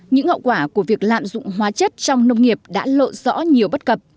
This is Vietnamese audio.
những hậu quả của việc lạm dụng hóa chất trong nông nghiệp đã lộ rõ nhiều bất cập